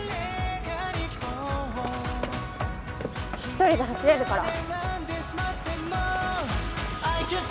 一人で走れるから。